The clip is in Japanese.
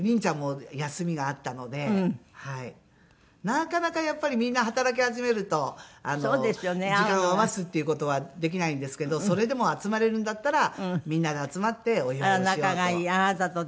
なかなかやっぱりみんな働き始めると時間を合わすっていう事はできないんですけどそれでも集まれるんだったらみんなで集まってお祝いをしようと。